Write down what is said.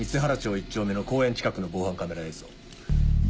１丁目の公園近くの防犯カメラ映像。